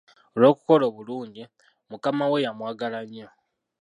Olw'okukola obulungi, mukama we yamwagala nnyo.